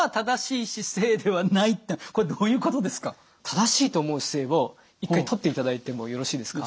正しいと思う姿勢を一回とっていただいてもよろしいですか？